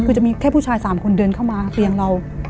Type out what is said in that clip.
คือจะมีแค่ผู้ชาย๓คนเดินเข้ามาเตียงเรา